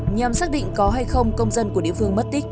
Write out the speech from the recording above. nhằm xác định có hay không công dân của địa phương mất tích